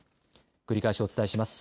繰り返しお伝えします。